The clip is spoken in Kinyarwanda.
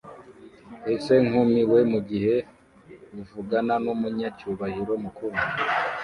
asa nkumiwe mugihe avugana numunyacyubahiro mukuru